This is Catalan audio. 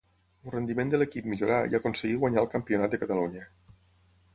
El rendiment de l'equip millorà i aconseguí guanyar el Campionat de Catalunya.